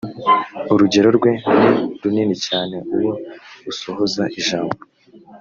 urugerero rwe ni runini cyane uwo usohoza ijambo